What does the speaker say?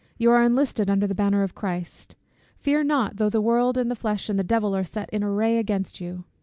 You are enlisted under the banner of Christ Fear not, though the world, and the flesh, and the devil are set in array against you.